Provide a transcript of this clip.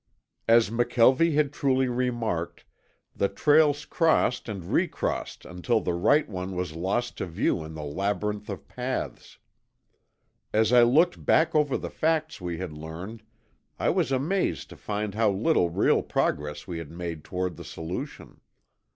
As McKelvie had truly remarked, the trails crossed and recrossed until the right one was lost to view in the labyrinth of paths. As I looked back over the facts we had learned I was amazed to find how little real progress we had made toward the solution.